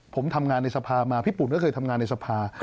ผมทำงานในสภามาพี่ปุ่นก็เคยทำงานในสภา